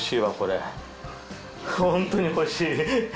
ホントに欲しい。